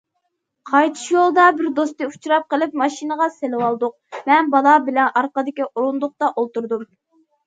قايتىش يولىدا بىر دوستى ئۇچراپ قېلىپ ماشىنىغا سېلىۋالدۇق، مەن بالا بىلەن ئارقىدىكى ئورۇندۇقتا ئولتۇردۇم.